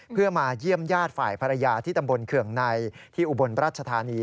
เพื่อมาเยี่ยมญาติฝ่ายภรรยาที่ตำบลเคืองในที่อุบลรัชธานี